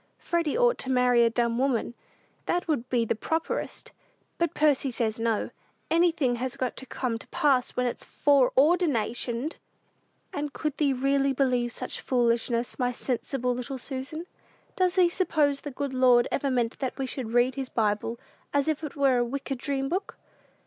Freddy ought to marry a dumb woman; that would be properest; but Percy says no anything has got to 'come to pass' when it's foreordinationed!" "And could thee really believe such foolishness, my sensible little Susan? Does thee suppose the good Lord ever meant that we should read his Bible as if it were a wicked dream book?"